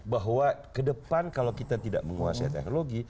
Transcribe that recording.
bahwa ke depan kalau kita tidak menguasai teknologi